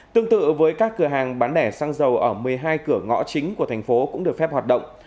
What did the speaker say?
tương tự với các cửa hàng bán lẻ xăng dầu ở một mươi hai cửa ngõ chính của thành phố cũng được phép hoạt động